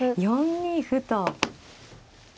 ４二歩と。